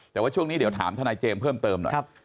แต่ว่าช่วงนี้เดี๋ยวถามทนายเจมส์เพิ่มเติมหน่อย